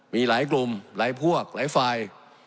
มีหลายกลุ่มหลายพวกหลายฝ่าย